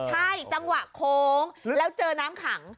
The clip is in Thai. จัดจ่ายเหรอใช่จังหวะโค้งแล้วเจอน้ำขัง